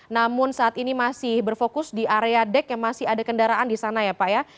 namun saat ini masih berfokus di area dek yang masih ada kendaraan di sana ya pak ya